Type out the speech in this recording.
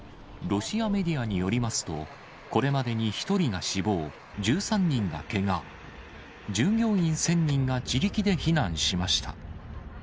ロシアメディアによりますと、これまでに１人が死亡、１３人がけが、従業員１０００人が自力で避難しました。